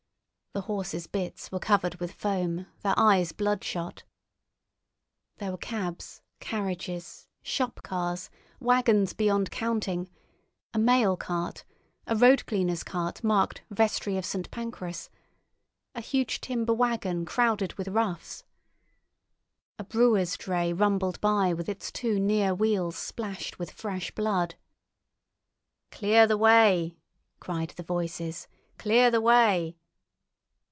The horses' bits were covered with foam, their eyes bloodshot. There were cabs, carriages, shop carts, waggons, beyond counting; a mail cart, a road cleaner's cart marked "Vestry of St. Pancras," a huge timber waggon crowded with roughs. A brewer's dray rumbled by with its two near wheels splashed with fresh blood. "Clear the way!" cried the voices. "Clear the way!"